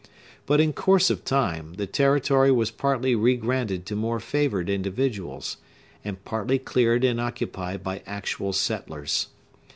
But, in course of time, the territory was partly regranted to more favored individuals, and partly cleared and occupied by actual settlers.